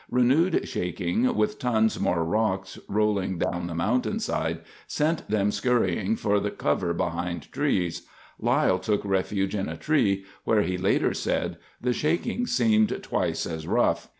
Renewed shaking, with tons more rocks rolling down the mountainside sent them scurrying for cover behind trees. Lyle took refuge in a tree, where, he later said, the shaking seemed twice as rough.